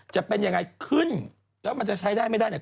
จะเป็นยังไงขึ้นแล้วมันจะใช้ได้ไม่ได้เนี่ย